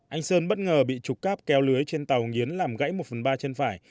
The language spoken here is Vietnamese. anh sơn bất ngờ bị trục cáp kéo lưới trên tàu nghiến làm gãy một phần ba chân phải